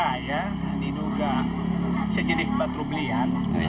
saya diduga sejadinya empat triliun rupiah